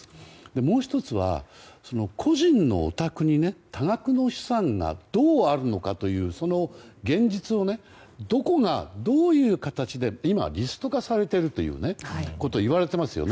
もう１つは、個人のお宅に多額の資産がどうあるのかというその現実をどこが、どういう形で今、リスト化されていると言われていますよね。